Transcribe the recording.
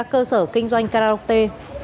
cơ sở kinh doanh karaoke